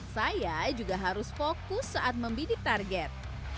saya juga harus fokus saat membidik target